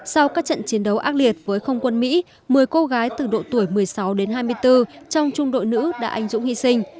sau các trận chiến đấu ác liệt với không quân mỹ một mươi cô gái từ độ tuổi một mươi sáu đến hai mươi bốn trong trung đội nữ đã anh dũng hy sinh